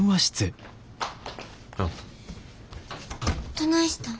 どないしたん？